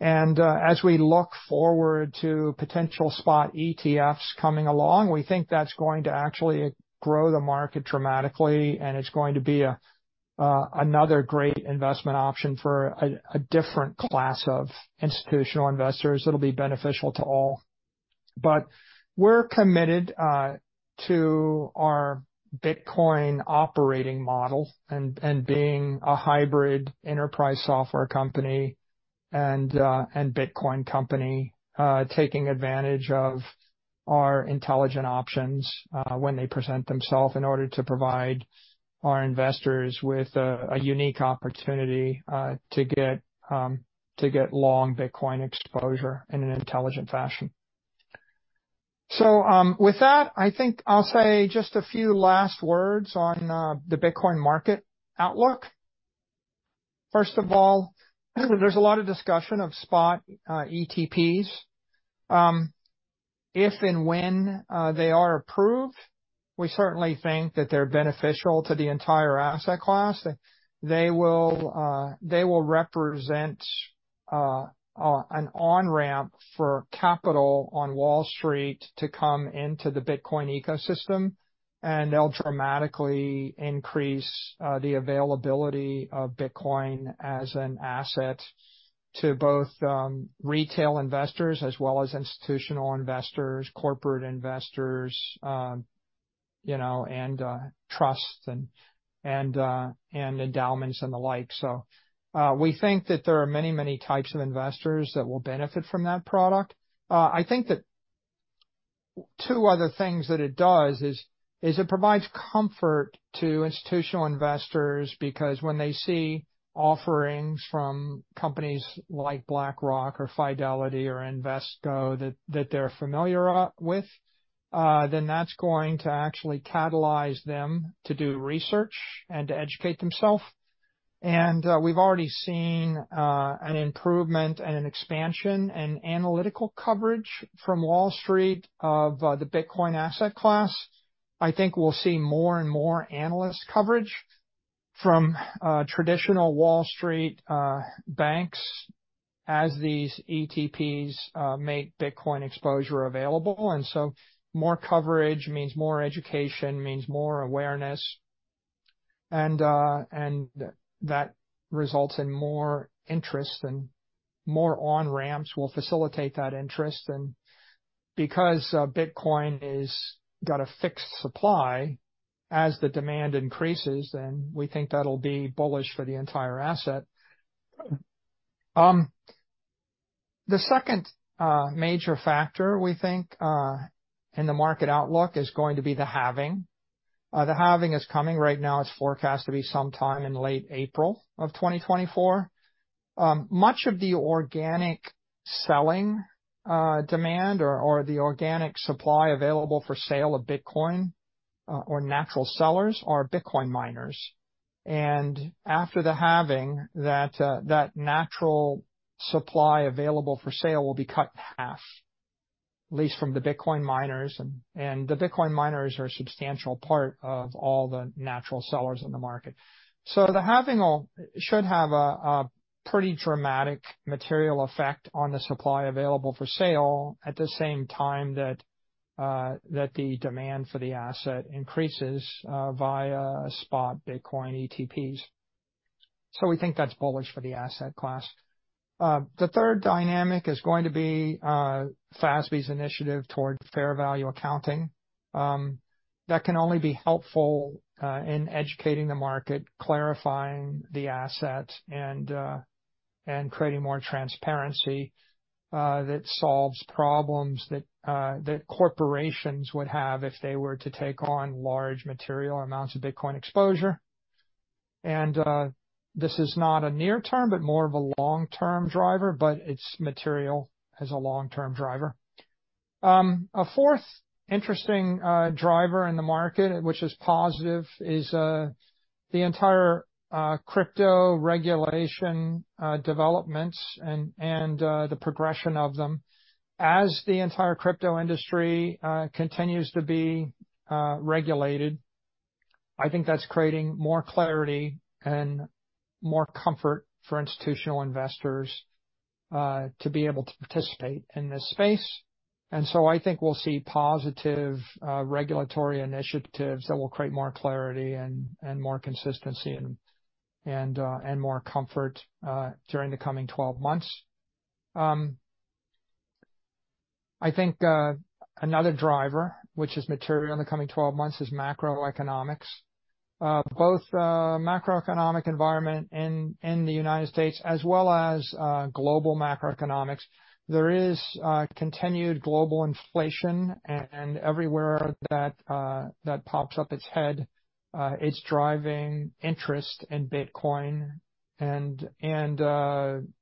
As we look forward to potential spot ETFs coming along, we think that's going to actually grow the market dramatically, and it's going to be another great investment option for a different class of institutional investors that'll be beneficial to all. But we're committed to our Bitcoin operating model and being a hybrid enterprise software company and Bitcoin company, taking advantage of our intelligent options when they present themselves, in order to provide our investors with a unique opportunity to get long Bitcoin exposure in an intelligent fashion. So, with that, I think I'll say just a few last words on the Bitcoin market outlook. First of all, there's a lot of discussion of spot ETPs. If and when they are approved, we certainly think that they're beneficial to the entire asset class. They will represent an on-ramp for capital on Wall Street to come into the Bitcoin ecosystem, and they'll dramatically increase the availability of Bitcoin as an asset to both retail investors as well as institutional investors, corporate investors, you know, and trusts and endowments and the like. So, we think that there are many, many types of investors that will benefit from that product. I think that two other things that it does is it provides comfort to institutional investors because when they see offerings from companies like BlackRock or Fidelity or Invesco that they're familiar with, then that's going to actually catalyze them to do research and to educate themselves. And we've already seen an improvement and an expansion in analytical coverage from Wall Street of the Bitcoin asset class. I think we'll see more and more analyst coverage from traditional Wall Street banks as these ETPs make Bitcoin exposure available. And so more coverage means more education, means more awareness, and that results in more interest and more on-ramps will facilitate that interest. And because Bitcoin is got a fixed supply, as the demand increases, then we think that'll be bullish for the entire asset. The second major factor we think in the market outlook is going to be the halving. The halving is coming. Right now, it's forecast to be sometime in late April of 2024. Much of the organic selling demand or the organic supply available for sale of Bitcoin or natural sellers are Bitcoin miners. And after the halving, that natural supply available for sale will be cut in half, at least from the Bitcoin miners, and the Bitcoin miners are a substantial part of all the natural sellers in the market. So the halving should have a pretty dramatic material effect on the supply available for sale, at the same time that the demand for the asset increases via spot Bitcoin ETPs. So we think that's bullish for the asset class. The third dynamic is going to be FASB's initiative toward fair value accounting. That can only be helpful in educating the market, clarifying the assets, and creating more transparency that solves problems that corporations would have if they were to take on large material amounts of Bitcoin exposure. This is not a near-term, but more of a long-term driver, but it's material as a long-term driver. A fourth interesting driver in the market, which is positive, is the entire crypto regulation developments and the progression of them. As the entire crypto industry continues to be regulated, I think that's creating more clarity and more comfort for institutional investors to be able to participate in this space. And so I think we'll see positive regulatory initiatives that will create more clarity and more consistency and more comfort during the coming 12 months. I think another driver, which is material in the coming 12 months, is macroeconomics. Both macroeconomic environment in the United States as well as global macroeconomics. There is continued global inflation, and everywhere that pops up its head, it's driving interest in Bitcoin, and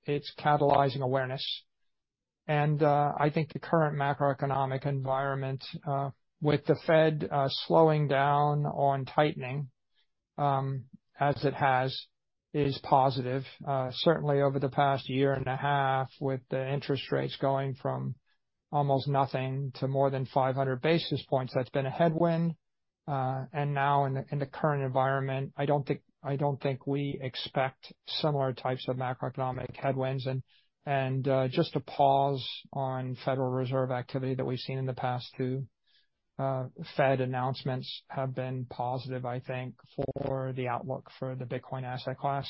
it's catalyzing awareness. And I think the current macroeconomic environment with the Fed slowing down on tightening, as it has, is positive. Certainly over the past year and a half, with the interest rates going from almost nothing to more than 500 basis points, that's been a headwind. And now in the current environment, I don't think we expect similar types of macroeconomic headwinds. And just a pause on Federal Reserve activity that we've seen in the past two Fed announcements have been positive, I think, for the outlook for the Bitcoin asset class.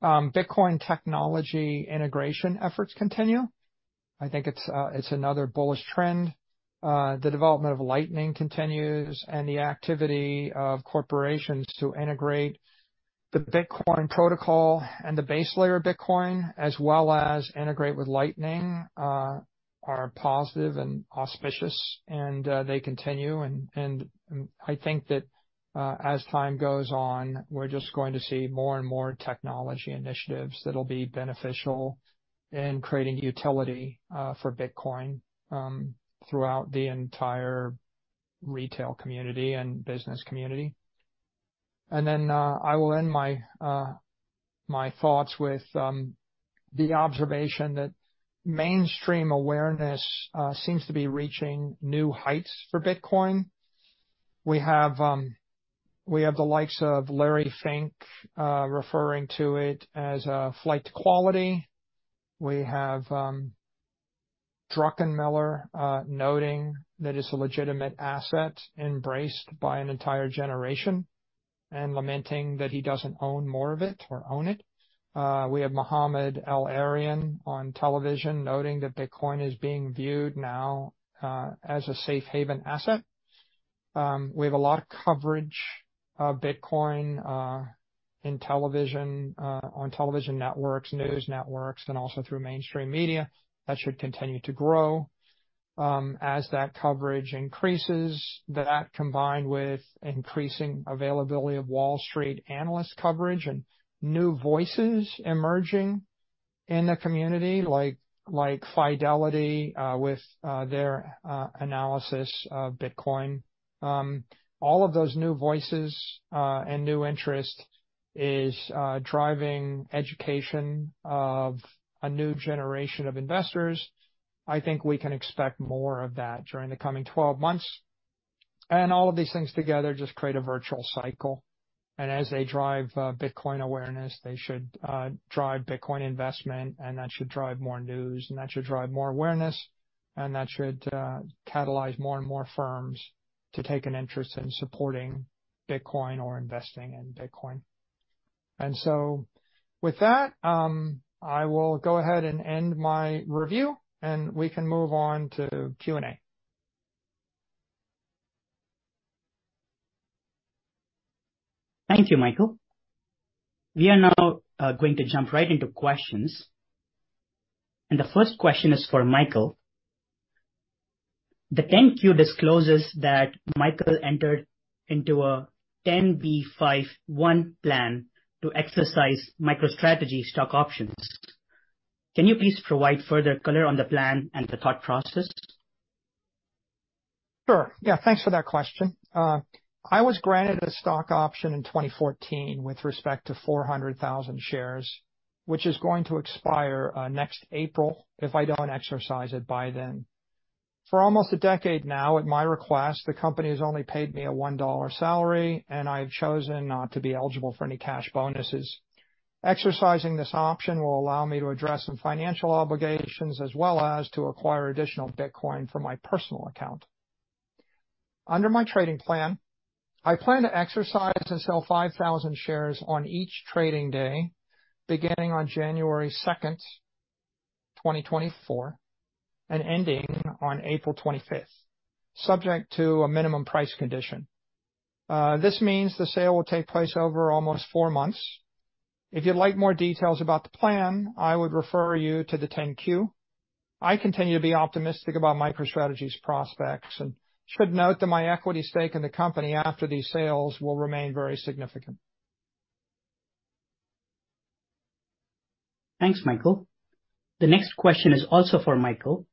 Bitcoin technology integration efforts continue. I think it's another bullish trend. The development of Lightning continues, and the activity of corporations to integrate the Bitcoin protocol and the base layer of Bitcoin, as well as integrate with Lightning, are positive and auspicious, and they continue. And I think that as time goes on, we're just going to see more and more technology initiatives that'll be beneficial in creating utility for Bitcoin throughout the entire retail community and business community. I will end my thoughts with the observation that mainstream awareness seems to be reaching new heights for Bitcoin. We have the likes of Larry Fink referring to it as a flight to quality. We have Druckenmiller noting that it's a legitimate asset embraced by an entire generation and lamenting that he doesn't own more of it or own it. We have Mohamed El-Erian on television, noting that Bitcoin is being viewed now as a safe haven asset. We have a lot of coverage of Bitcoin in television, on television networks, news networks, and also through mainstream media. That should continue to grow. As that coverage increases, that combined with increasing availability of Wall Street analyst coverage and new voices emerging in the community, like Fidelity, with their analysis of Bitcoin. All of those new voices and new interest is driving education of a new generation of investors. I think we can expect more of that during the coming 12 months. And all of these things together just create a virtual cycle, and as they drive Bitcoin awareness, they should drive Bitcoin investment, and that should drive more news, and that should drive more awareness, and that should catalyze more and more firms to take an interest in supporting Bitcoin or investing in Bitcoin. And so with that, I will go ahead and end my review, and we can move on to Q&A. Thank you, Michael. We are now going to jump right into questions, and the first question is for Michael: The 10-Q discloses that Michael entered into a 10b5-1 plan to exercise MicroStrategy stock options. Can you please provide further color on the plan and the thought process? Sure. Yeah, thanks for that question. I was granted a stock option in 2014 with respect to 400,000 shares, which is going to expire next April if I don't exercise it by then. For almost a decade now, at my request, the company has only paid me a $1 salary, and I've chosen not to be eligible for any cash bonuses. Exercising this option will allow me to address some financial obligations as well as to acquire additional Bitcoin for my personal account. Under my trading plan, I plan to exercise and sell 5,000 shares on each trading day, beginning on January 2, 2024, and ending on April 25, subject to a minimum price condition. This means the sale will take place over almost four months. If you'd like more details about the plan, I would refer you to the 10-Q. I continue to be optimistic about MicroStrategy's prospects, and should note that my equity stake in the company after these sales will remain very significant. Thanks, Michael. The next question is also for Michael.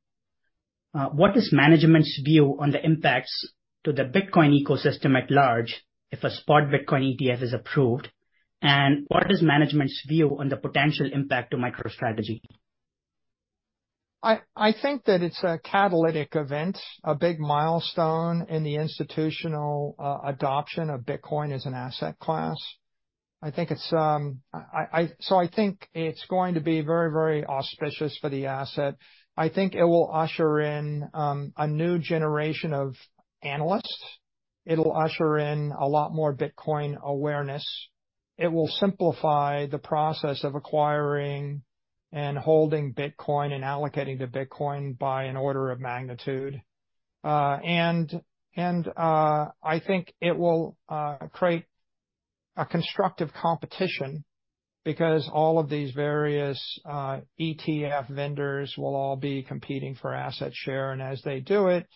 What is management's view on the impacts to the Bitcoin ecosystem at large if a spot Bitcoin ETF is approved? And what is management's view on the potential impact to MicroStrategy? I think that it's a catalytic event, a big milestone in the institutional adoption of Bitcoin as an asset class. I think it's so I think it's going to be very, very auspicious for the asset. I think it will usher in a new generation of analysts. It'll usher in a lot more Bitcoin awareness. It will simplify the process of acquiring and holding Bitcoin and allocating to Bitcoin by an order of magnitude. And I think it will create a constructive competition because all of these various ETF vendors will all be competing for asset share, and as they do it,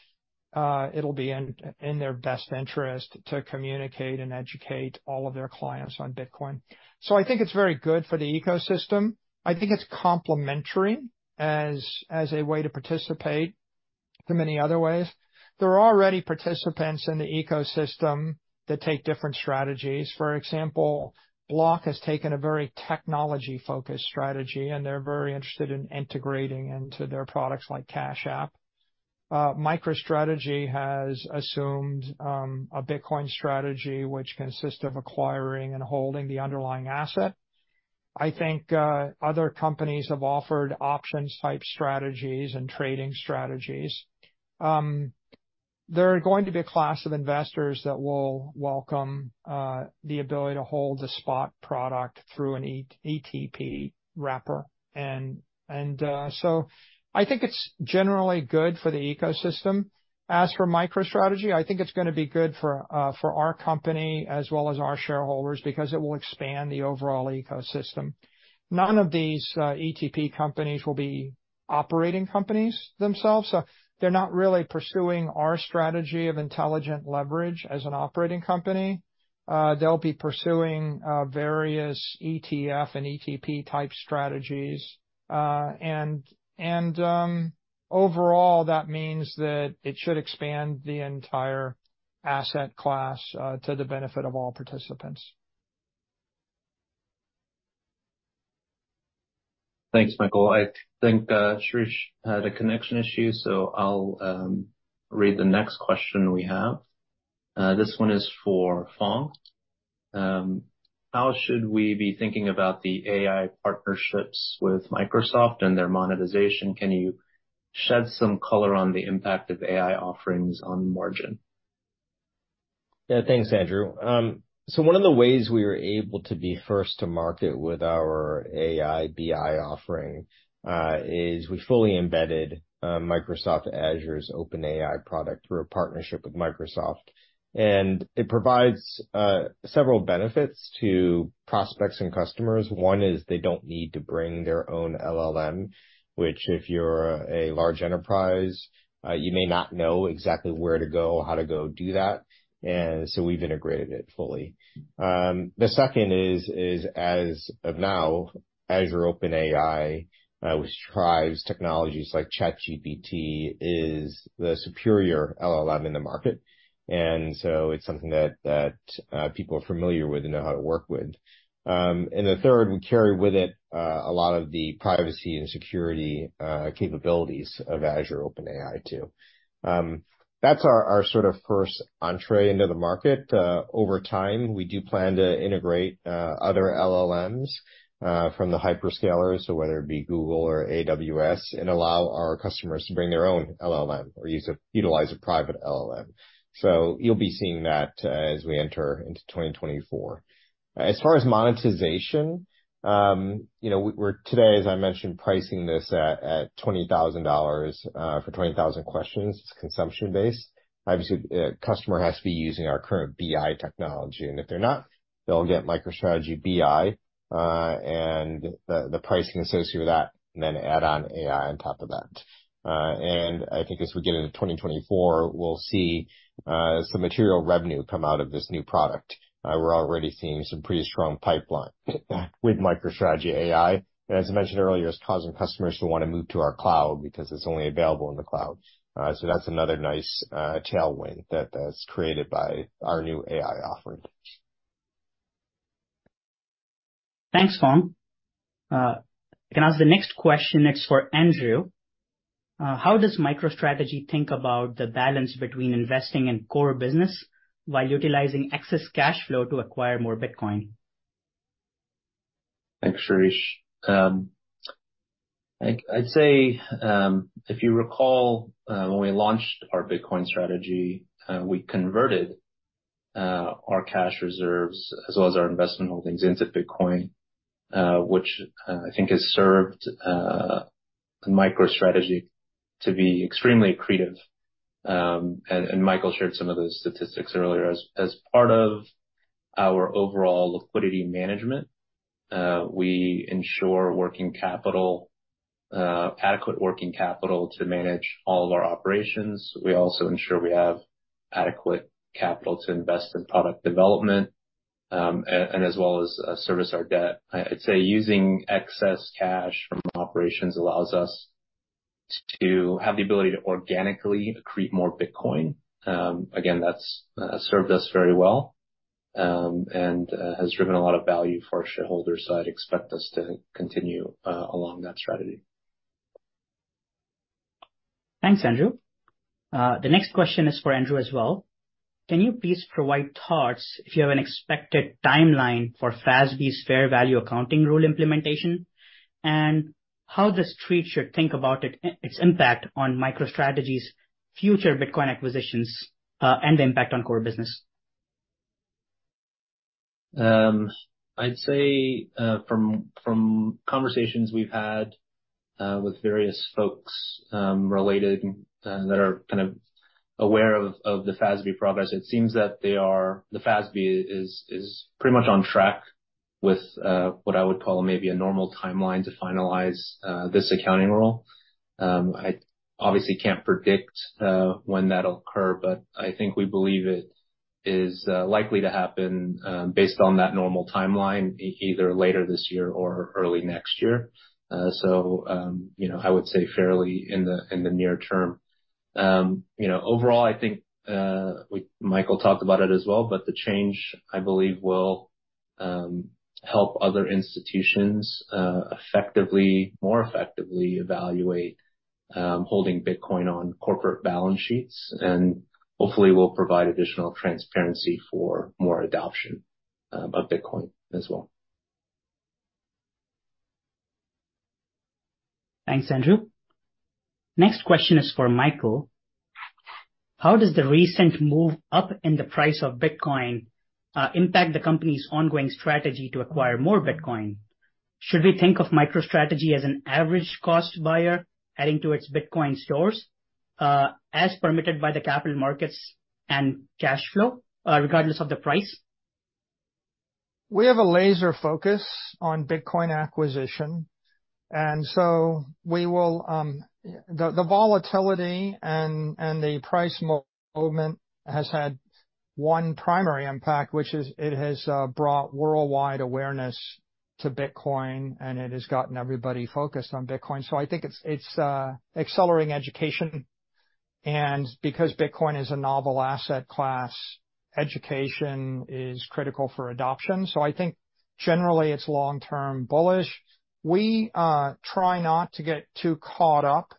it'll be in their best interest to communicate and educate all of their clients on Bitcoin. So I think it's very good for the ecosystem. I think it's complementary as a way to participate in many other ways. There are already participants in the ecosystem that take different strategies. For example, Block has taken a very technology-focused strategy, and they're very interested in integrating into their products, like Cash App. MicroStrategy has assumed a Bitcoin strategy, which consists of acquiring and holding the underlying asset. I think other companies have offered options, type strategies and trading strategies. There are going to be a class of investors that will welcome the ability to hold a spot product through an ETP wrapper. And so I think it's generally good for the ecosystem. As for MicroStrategy, I think it's gonna be good for our company as well as our shareholders, because it will expand the overall ecosystem. None of these ETP companies will be operating companies themselves, so they're not really pursuing our strategy of intelligent leverage as an operating company. They'll be pursuing various ETF and ETP type strategies. And overall, that means that it should expand the entire asset class to the benefit of all participants. Thanks, Michael. I think, Shirish had a connection issue, so I'll read the next question we have. This one is for Phong. How should we be thinking about the AI partnerships with Microsoft and their monetization? Can you shed some color on the impact of AI offerings on margin? Yeah. Thanks, Andrew. So one of the ways we were able to be first to market with our AI, BI offering is we fully embedded Microsoft Azure OpenAI product through a partnership with Microsoft. And it provides several benefits to prospects and customers. One is they don't need to bring their own LLM, which, if you're a large enterprise, you may not know exactly where to go, how to go do that, and so we've integrated it fully. The second is, as of now, Azure OpenAI, which drives technologies like ChatGPT, is the superior LLM in the market, and so it's something that people are familiar with and know how to work with. And the third, we carry with it a lot of the privacy and security capabilities of Azure OpenAI, too. That's our sort of first entree into the market. Over time, we do plan to integrate other LLMs from the hyperscalers, so whether it be Google or AWS, and allow our customers to bring their own LLM or utilize a private LLM. So you'll be seeing that as we enter into 2024. As far as monetization, you know, we're today, as I mentioned, pricing this at $20,000 for 20,000 questions. It's consumption-based. Obviously, the customer has to be using our current BI technology, and if they're not, they'll get MicroStrategy BI and the pricing associated with that, and then add on AI on top of that. And I think as we get into 2024, we'll see some material revenue come out of this new product. We're already seeing some pretty strong pipeline with MicroStrategy AI, and as I mentioned earlier, it's causing customers to want to move to our cloud because it's only available in the cloud. So that's another nice tailwind that is created by our new AI offering. Thanks, Phong. I can ask the next question. It's for Andrew. How does MicroStrategy think about the balance between investing in core business while utilizing excess cash flow to acquire more Bitcoin? Thanks, Shirish. I'd say, if you recall, when we launched our Bitcoin strategy, we converted our cash reserves as well as our investment holdings into Bitcoin, which I think has served MicroStrategy to be extremely accretive. And Michael shared some of those statistics earlier. As part of our overall liquidity management, we ensure adequate working capital to manage all of our operations. We also ensure we have adequate capital to invest in product development and as well as service our debt. I'd say using excess cash from operations allows us to have the ability to organically accrete more Bitcoin. Again, that's served us very well and has driven a lot of value for our shareholders, so I'd expect us to continue along that strategy. Thanks, Andrew. The next question is for Andrew as well. Can you please provide thoughts if you have an expected timeline for FASB's fair value accounting rule implementation, and how the Street should think about it, its impact on MicroStrategy's future Bitcoin acquisitions, and the impact on core business? I'd say, from conversations we've had, with various folks related that are kind of aware of the FASB progress, it seems that they are—the FASB is pretty much on track with what I would call maybe a normal timeline to finalize this accounting rule. I obviously can't predict when that'll occur, but I think we believe it is likely to happen, based on that normal timeline, either later this year or early next year. So, you know, I would say fairly in the near term. You know, overall, I think, we... Michael talked about it as well, but the change, I believe, will help other institutions more effectively evaluate holding Bitcoin on corporate balance sheets, and hopefully will provide additional transparency for more adoption of Bitcoin as well. Thanks, Andrew. Next question is for Michael. How does the recent move up in the price of Bitcoin impact the company's ongoing strategy to acquire more Bitcoin? Should we think of MicroStrategy as an average cost buyer, adding to its Bitcoin stores as permitted by the capital markets and cash flow, regardless of the price? We have a laser focus on Bitcoin acquisition, and so we will. The volatility and the price movement has had one primary impact, which is, it has brought worldwide awareness to Bitcoin, and it has gotten everybody focused on Bitcoin. So I think it's accelerating education. And because Bitcoin is a novel asset class, education is critical for adoption, so I think generally it's long-term bullish. We try not to get too caught up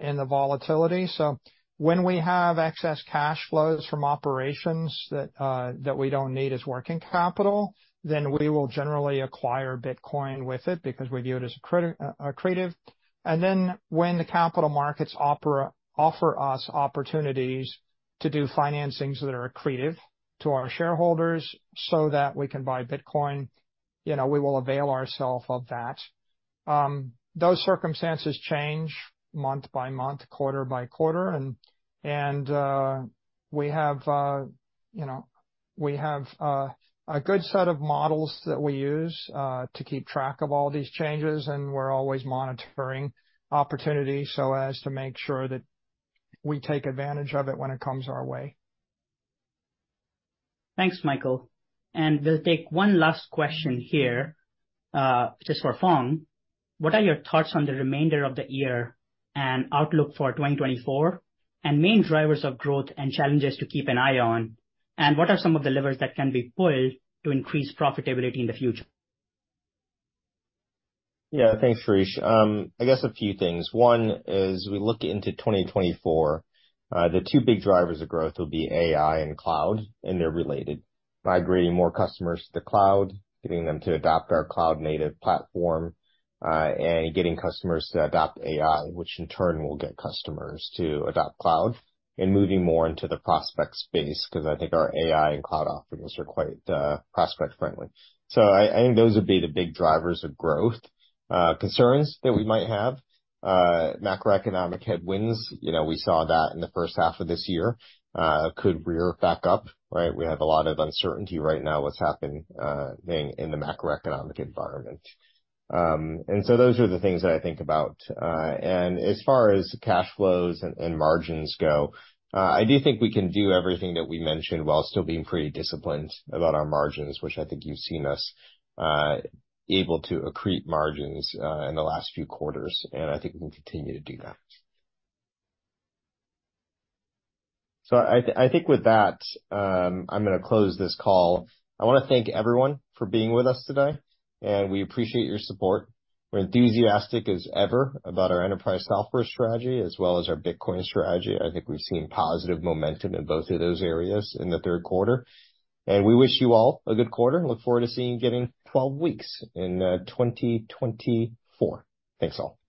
in the volatility. So when we have excess cash flows from operations that we don't need as working capital, then we will generally acquire Bitcoin with it, because we view it as accretive. And then when the capital markets offer us opportunities to do financings that are accretive to our shareholders so that we can buy Bitcoin, you know, we will avail ourselves of that. Those circumstances change month-by-month, quarter-by-quarter, and we have, you know, we have a good set of models that we use to keep track of all these changes, and we're always monitoring opportunities so as to make sure that we take advantage of it when it comes our way. Thanks, Michael. And we'll take one last question here, this is for Phong. What are your thoughts on the remainder of the year and outlook for 2024, and main drivers of growth and challenges to keep an eye on? And what are some of the levers that can be pulled to increase profitability in the future? Yeah. Thanks, Shirish. I guess a few things. One, as we look into 2024, the two big drivers of growth will be AI and cloud, and they're related. Migrating more customers to the cloud, getting them to adopt our cloud-native platform, and getting customers to adopt AI, which in turn will get customers to adopt cloud, and moving more into the prospect space, because I think our AI and cloud offerings are quite, prospect-friendly. So I, I think those would be the big drivers of growth. Concerns that we might have, macroeconomic headwinds, you know, we saw that in the first half of this year, could rear back up, right? We have a lot of uncertainty right now what's happening, in the macroeconomic environment. And so those are the things that I think about. And as far as cash flows and margins go, I do think we can do everything that we mentioned while still being pretty disciplined about our margins, which I think you've seen us able to accrete margins in the last few quarters, and I think we can continue to do that. So I think with that, I'm gonna close this call. I want to thank everyone for being with us today, and we appreciate your support. We're enthusiastic as ever about our enterprise software strategy as well as our Bitcoin strategy. I think we've seen positive momentum in both of those areas in the third quarter, and we wish you all a good quarter, and look forward to seeing you again in 12 weeks in 2024. Thanks, all.